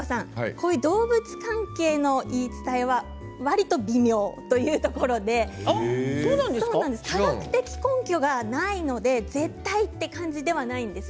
こういう動物関係の言い伝えはわりと微妙というところで科学的根拠がないので絶対という感じではないんです。